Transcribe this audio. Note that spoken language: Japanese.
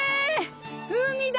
海だ！